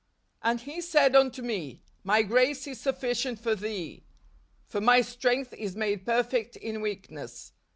" And he said unto me. My grace is sufficient for thee: for my strength is made perfect in weakness.